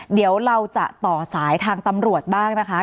เดี๋ยวเราจะต่อสายทางตำรวจบ้างนะคะ